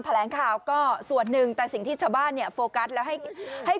แถลงข่าวก็ส่วนหนึ่งแต่สิ่งที่ชาวบ้านเนี่ยโฟกัสแล้วให้ให้